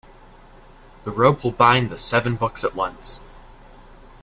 The rope will bind the seven books at once.